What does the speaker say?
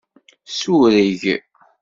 Sureg.